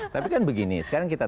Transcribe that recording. tapi kan begini sekarang kita